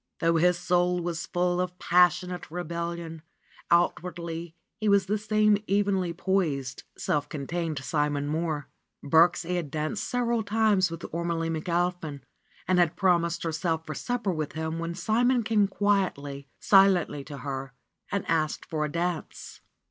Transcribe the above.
Though his soul was full of passionate rebellion, out wardly he was the same evenly poised, self contained Simon Mohr. Birksie had danced several times with Ormelie Mc Alpin and had promised herself for supper with him when Simon came quietly, silently to her and asked for a dance.